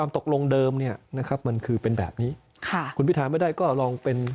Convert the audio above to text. ตกลงเดิมเนี่ยนะครับมันคือเป็นแบบนี้ค่ะคุณพิทาไม่ได้ก็ลองเป็น